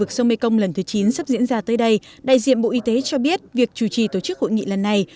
trong lần thứ chín sắp diễn ra tới đây đại diện bộ y tế cho biết việc chủ trì tổ chức hội nghị lần này